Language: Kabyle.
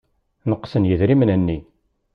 Neqsen yidrimen-nni.